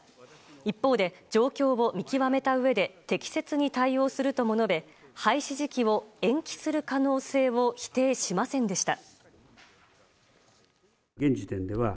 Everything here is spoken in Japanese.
一方で状況を見極めたうえで適切に対応するとも述べ廃止時期を延期する可能性を否定しませんでした。